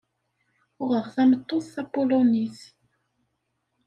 Uɣeɣ tameṭṭut tapulunit.